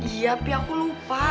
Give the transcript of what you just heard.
iya pi aku lupa